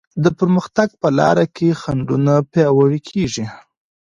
د پرمختګ په لاره کي خنډونه پیاوړې کيږي.